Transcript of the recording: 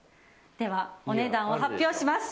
お値段を発表します。